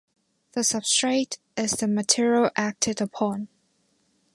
The substrate is the material acted upon.